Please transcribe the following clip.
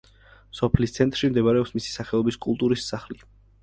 სოფლის ცენტრში მდებარეობს მისი სახელობის კულტურის სახლი.